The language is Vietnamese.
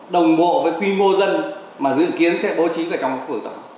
đồng bộ với quy mô dân mà dự kiến sẽ bố trí vào trong khu vực đó